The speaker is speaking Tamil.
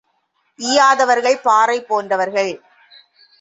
ஈயாதவர்கள் பாறை போன்றவர்கள்.